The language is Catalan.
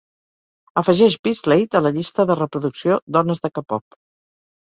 Afegeix BSlade a la llista de reproducció dones de k-pop